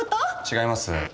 違います。